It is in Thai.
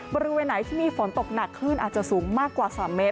บริเวณไหนที่มีฝนตกหนักคลื่นอาจจะสูงมากกว่า๓เมตร